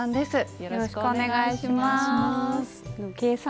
よろしくお願いします。